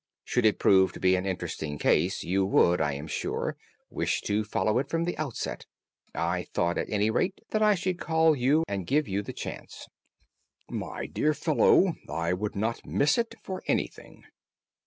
Should it prove to be an interesting case, you would, I am sure, wish to follow it from the outset. I thought, at any rate, that I should call you and give you the chance." "My dear fellow, I would not miss it for anything."